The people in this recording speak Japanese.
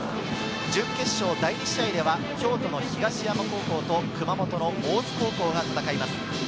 準決勝第２試合では京都の東山高校と熊本の大津高校が戦います。